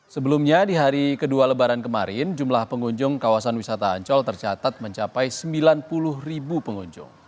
sebelumnya di hari kedua lebaran kemarin jumlah pengunjung kawasan wisata ancol tercatat mencapai sembilan puluh ribu pengunjung